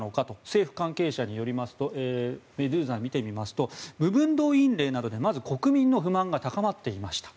政府関係者によりますとメドゥーザを見てみますと部分動員令などでまず国民の不満が高まっていました。